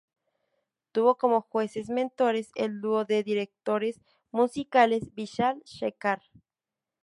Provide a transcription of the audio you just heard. Tuvo como jueces-mentores al dúo de directores musicales Vishal-Sekhar.